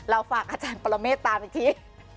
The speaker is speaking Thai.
ฝากอาจารย์ปรเมฆตามอีกที